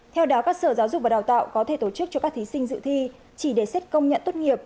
theo đó các sở giáo dục và đào tạo có thể tổ chức cho các thí sinh dự thi chỉ để xét công nhận tốt nghiệp